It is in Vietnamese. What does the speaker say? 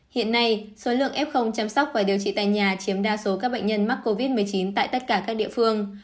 hiện nay số lượng f chăm sóc và điều trị tại nhà chiếm đa số các bệnh nhân mắc covid một mươi chín tại tất cả các địa phương